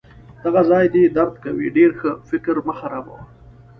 دغه ځای دي درد کوي؟ ډیر ښه! فکر مه خرابوه.